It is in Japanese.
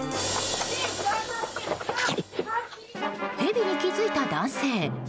ヘビに気づいた男性。